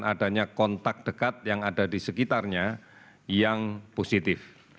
adanya kontak dekat yang ada di sekitarnya yang positif